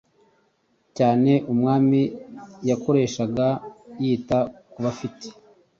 cyane Umwami yakoreshaga yita ku bafite